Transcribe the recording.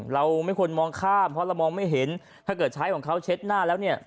เราไม่ควรมองข้ามเพราะเรามองไม่เห็นถ้าเกิดใช้ของเขาเช็ดหน้าแล้วเนี่ย